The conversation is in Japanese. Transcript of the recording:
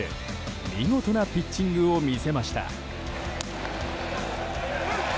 見事なピッチングを見せました。